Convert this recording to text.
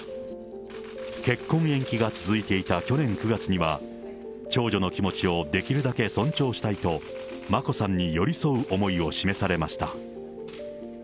結婚延期が続いていた去年９月には、長女の気持ちをできるだけ尊重したいと、眞子さんに寄り添う思いを示されました。